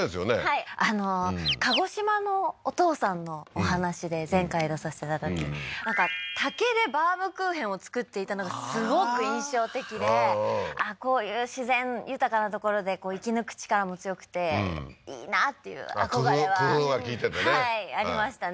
はい鹿児島のお父さんのお話で前回出させていただいたときなんか竹でバームクーヘンを作っていたのがすごく印象的でうんうんこういう自然豊かな所で生き抜く力も強くていいなっていう憧れは工夫が利いててねはいありましたね